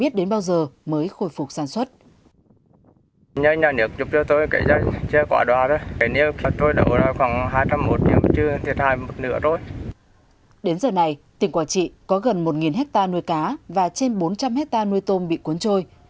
tỉnh quảng trị có gần một hectare nuôi cá và trên bốn trăm linh hectare nuôi tôm bị cuốn trôi